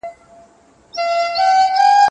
په ادارو کي باید د واسطې مخه ونیول سي.